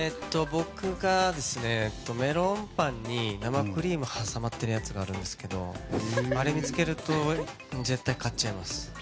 僕はメロンパンに生クリームが挟まっているのがあるんですがあれを見つけると絶対に買っちゃいます。